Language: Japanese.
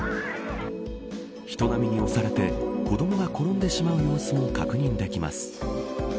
人波に押されて子どもが転んでしまう様子も確認できます。